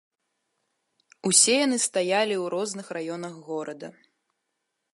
Усе яны стаялі ў розных раёнах горада.